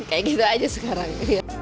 kayak gitu aja sekarang